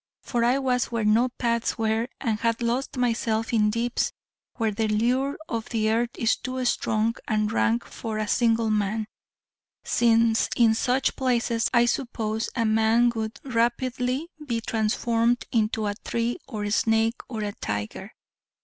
For I was where no paths were, and had lost myself in deeps where the lure of the earth is too strong and rank for a single man, since in such places, I suppose, a man would rapidly be transformed into a tree, or a snake, or a tiger.